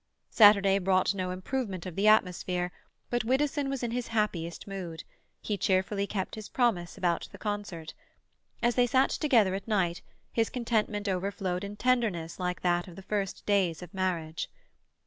Saturday brought no improvement of the atmosphere, but Widdowson was in his happiest mood; he cheerfully kept his promise about the concert. As they sat together at night, his contentment overflowed in tenderness like that of the first days of marriage.